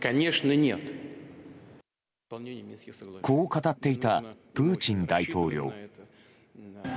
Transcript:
こう語っていたプーチン大統領。